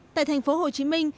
tại thành phố hồ chí minh